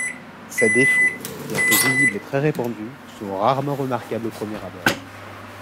Ces défauts, bien que visibles et très répandus, sont rarement remarquables au premier abord.